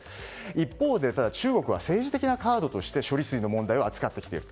一方、中国は政治的カードとして処理水を使ってきている。